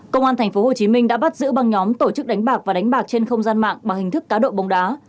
công an tp hcm đã bắt giữ băng nhóm tổ chức đánh bạc và đánh bạc trên không gian mạng bằng hình thức cá độ bóng đá